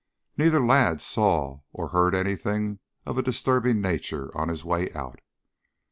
Neither lad saw or heard anything of a disturbing nature on his way out.